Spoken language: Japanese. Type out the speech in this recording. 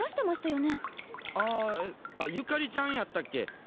ああユカリちゃんやったっけ？